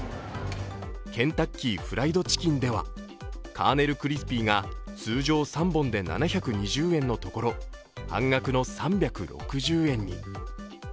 ケンタッキーフライドチキンではカーネルクリスピーが通常３本で７２０円のところ半額の３６０円に。